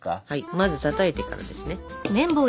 まずたたいてからですね。